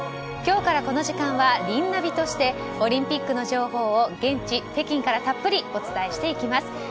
今日からこの時間はリンナビとしてオリンピックの情報を現地北京からたっぷりお伝えしていきます。